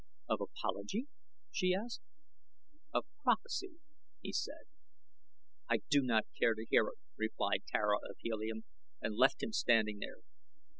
"Of apology?" she asked. "Of prophecy," he said. "I do not care to hear it," replied Tara of Helium, and left him standing there.